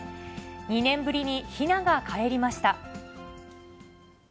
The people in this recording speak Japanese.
２年ぶりにひながかえりました。